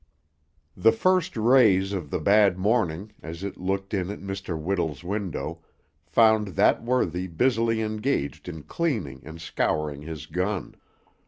The first rays of the bad morning, as it looked in at Mr. Whittle's window, found that worthy busily engaged in cleaning and scouring his gun.